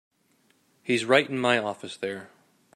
He's right in my office there.